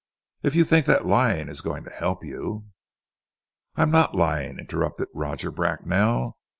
If you think that lying is going to help you " "I am not lying," interrupted Roger Bracknell.